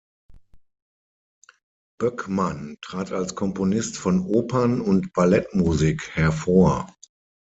Böckmann trat als Komponist von Opern und Ballettmusik hervor.